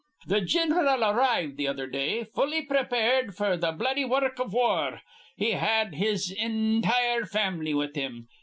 "The gin'ral arrived th' other day, fully prepared f'r th' bloody wurruk iv war. He had his intire fam'ly with him.